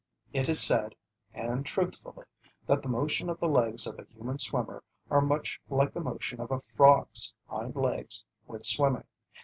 It is said, and truthfully, that the motion of the legs of a human swimmer are much like the motion of a frog's hind legs when swimming.